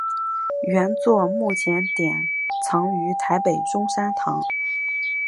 原作目前典藏于台北中山堂。